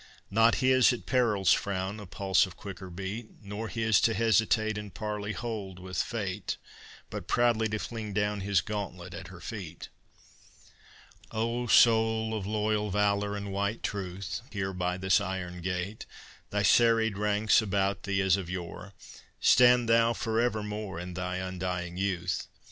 Not his, at peril's frown, A pulse of quicker beat; Not his to hesitate And parley hold with Fate, But proudly to fling down His gauntlet at her feet. O soul of loyal valor and white truth, Here, by this iron gate, Thy serried ranks about thee as of yore, Stand thou for evermore In thy undying youth!